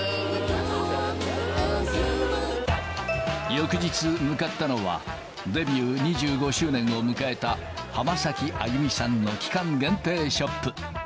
翌日、向かったのはデビュー２５周年を迎えた浜崎あゆみさんの期間限定ショップ。